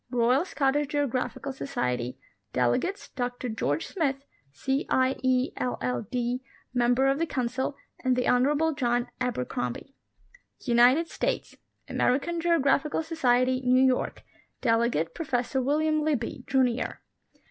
Royal Scottish Geographical Society ; delegates, Dr George Smith, C. I. E., LL.D., Member of the Council, and the Honor able John Abercrombie. UNITED STATES. American Geographical Society (New York) ; delegate, Pro fessor William Libbey, Junior.